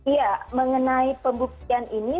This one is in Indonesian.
nah mengenai pembuktian ini